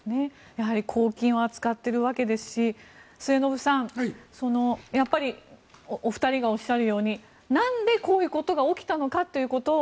やはり公金を扱っているわけですし末延さん、やっぱりお二人がおっしゃるようになんでこういうことが起きたのかということを